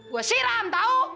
gua siram tau